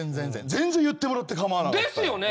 全然言ってもらって構わない。ですよね！